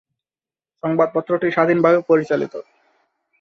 সংবাদপত্রটি স্বাধীনভাবে পরিচালিত।